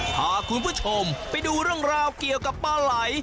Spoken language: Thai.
พาคุณผู้ชมไปดูเรื่องราวเกี่ยวกับปลาไหล